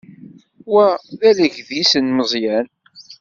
Wa d alegdis n Meẓyan.